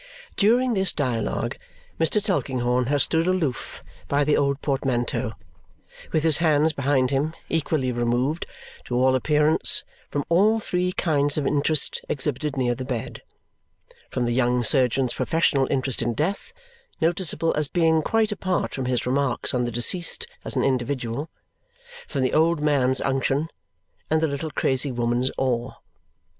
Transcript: During this dialogue Mr. Tulkinghorn has stood aloof by the old portmanteau, with his hands behind him, equally removed, to all appearance, from all three kinds of interest exhibited near the bed from the young surgeon's professional interest in death, noticeable as being quite apart from his remarks on the deceased as an individual; from the old man's unction; and the little crazy woman's awe.